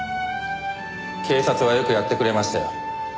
警察はよくやってくれましたよ。